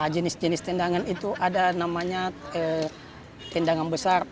jenis jenis tendangan itu ada namanya tendangan besar